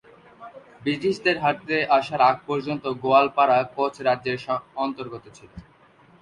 ব্রিটিশদের হাতে আসার আগে পর্যন্ত গোয়ালপাড়া কোচ রাজ্যের অন্তর্গত ছিল।